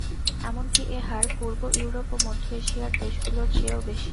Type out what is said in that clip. এমনকি এ হার পূর্ব ইউরোপ ও মধ্য এশিয়ার দেশগুলোর চেয়েও বেশি।